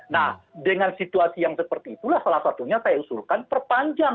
nah dengan situasi yang seperti itulah salah satunya saya usulkan perpanjang